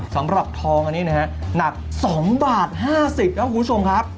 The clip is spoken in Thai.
สำหรับทองอันนี้นะฮะหนัก๒บาท๕๐ครับคุณผู้ชมครับ